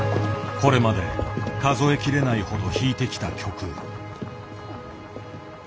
これまで数えきれないほど弾いてきた曲。